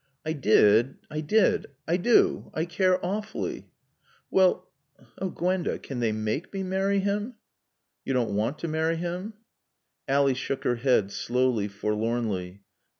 "I did I did. I do. I care awfully " "Well " "Oh, Gwenda, can they make me marry him?" "You don't want to marry him?" Ally shook her head, slowly, forlornly.